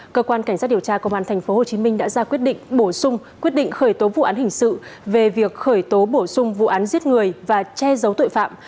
cơ quan cảnh sát điều tra công an tp hcm đã ra quyết định bổ sung quyết định khởi tố vụ án hình sự về việc khởi tố bổ sung vụ án giết người và che giấu tội phạm